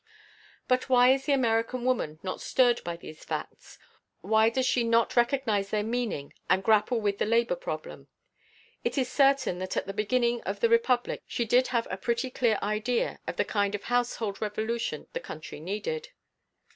But why is the American woman not stirred by these facts? Why does she not recognize their meaning and grapple with her labor problem? It is certain that at the beginning of the republic she did have a pretty clear idea of the kind of household revolution the country needed.